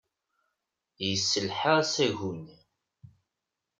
Tesselha asagu-nni.